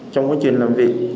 trong quá trình làm việc